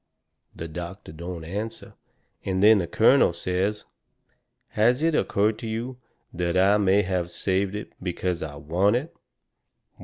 The doctor don't answer, and then the colonel says: "Has it occurred to you that I may have saved it because I want it?"